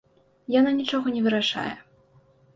Яна нічога не вырашае.